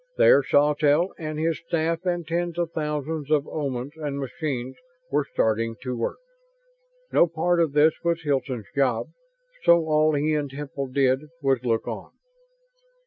There Sawtelle and his staff and tens of thousands of Omans and machines were starting to work. No part of this was Hilton's job; so all he and Temple did was look on.